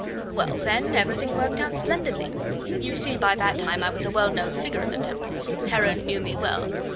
"Well, then everything worked out splendidly. You see by that time I was a well known figure in the Temple. Heron knew me well.